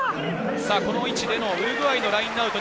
この位置でのウルグアイのラインアウト。